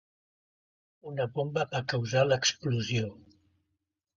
Una bomba va causar l'explosió.